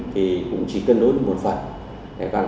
thì cũng chỉ cân đối một phần